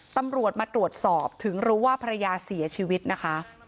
ตำรวจมาตรวจสอบถึงรู้ว่าภรรยาเสียชีวิตนะคะ